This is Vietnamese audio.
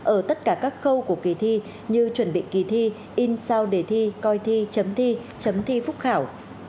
ở tất cả các khâu của kỳ thi như chuẩn bị kỳ thi in sao để thi coi thi chấm thi chấm thi phúc khảo